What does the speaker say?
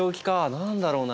何だろうな？